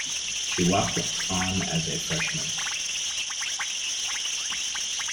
She walked on as a freshman.